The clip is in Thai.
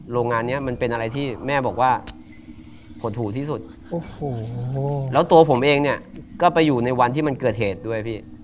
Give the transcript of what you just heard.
แล้วเองเนี่ยจะในวันที่มันเกิดเหตุด้วย